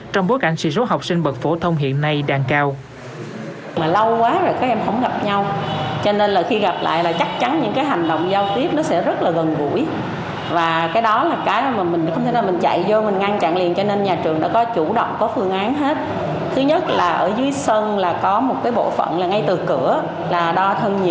trong bối cảnh số học sinh bật phổ thông hiện nay đang cao